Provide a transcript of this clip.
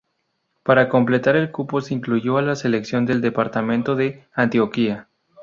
Para completar el cupo se incluyó a la selección del Departamento de Antioquia.